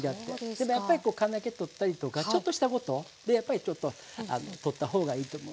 でもやっぱりこう金気取ったりとかちょっとしたことでやっぱりちょっと取った方がいいと思うし。